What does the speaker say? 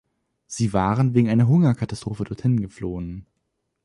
Sie waren wegen einer Hungerkatastrophe dorthin geflohen.